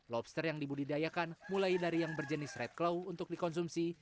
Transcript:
lobster yang dibudidayakan mulai dari yang berjenis red clow untuk dikonsumsi